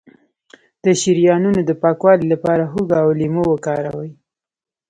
د شریانونو د پاکوالي لپاره هوږه او لیمو وکاروئ